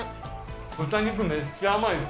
豚肉、めっちゃ甘いです。